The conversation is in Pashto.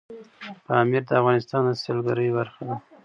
پامیر د افغانستان د سیلګرۍ برخه ده.